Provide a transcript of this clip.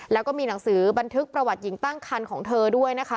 แล้วก็มีหนังสือบันทึกประวัติหญิงตั้งคันของเธอด้วยนะคะ